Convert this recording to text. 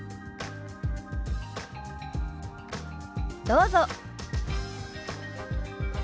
どうぞ。